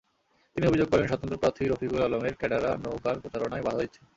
তিনি অভিযোগ করেন, স্বতন্ত্র প্রার্থী রফিকুল আলমের ক্যাডাররা নৌকার প্রচারণায় বাধা দিচ্ছে।